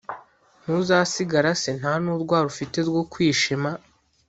Ntuzasigara se nta n’urwara ufite rwo kwishima